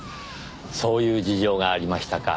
そういう事情がありましたか。